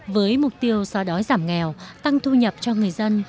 với mục tiêu xóa đói giảm nghèo tăng thu nhập cho người dân